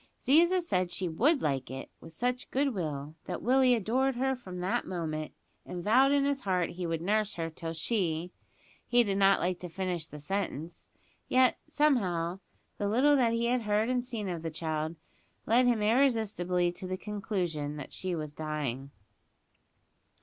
Ziza said she would like it with such goodwill, that Willie adored her from that moment, and vowed in his heart he would nurse her till she he did not like to finish the sentence; yet, somehow, the little that he had heard and seen of the child led him irresistibly to the conclusion that she was dying.